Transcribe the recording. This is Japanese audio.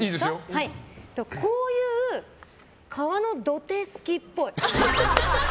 こういう川の土手、好きっぽい。